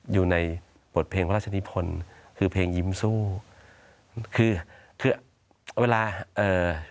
อยู่ในบทเพลงพระราชนิพลคือเพลงยิ้มสู้คือคือเวลาเอ่อ